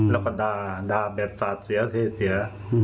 แล้วก็ด่าแบบสาดเสีย